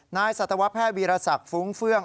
สัตวแพทย์วีรศักดิ์ฟุ้งเฟื่อง